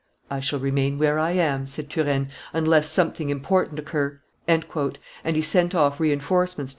"I shall remain where I am," said Turenne, "unless something important occur;" and he sent off re enforcements to M.